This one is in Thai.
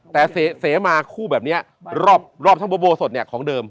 แต่เสมาคู่แบบนี้รอบทั้งโบสถเนี่ยของเดิม